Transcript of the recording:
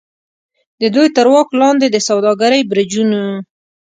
د دوی تر واک لاندې د سوداګرۍ برجونو.